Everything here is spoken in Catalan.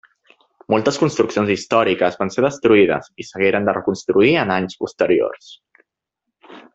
Moltes construccions històriques van ser destruïdes i s'hagueren de reconstruir en anys posteriors.